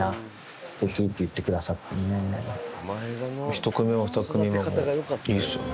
１組目も２組目もいいっすよ。